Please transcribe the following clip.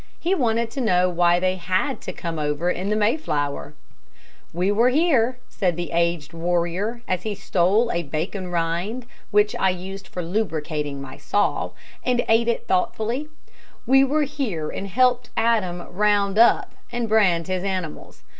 He wanted to know why they had to come over in the Mayflower. [Illustration: BILL NYE CONVERSING WITH SITTING BULL.] "We were here," said the aged warrior, as he stole a bacon rind which I used for lubricating my saw, and ate it thoughtfully, "we were here and helped Adam 'round up' and brand his animals.